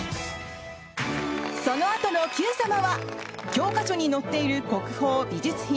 そのあとの「Ｑさま！！」は教科書に載っている国宝・美術品！